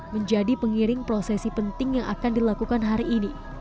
menjadi pengiring prosesi penting yang akan dilakukan hari ini